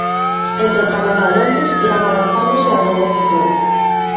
Entre o Canadá e Londres irán adaptándose ao novo futuro.